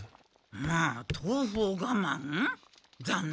まあとうふをがまん？